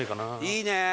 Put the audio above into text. いいね！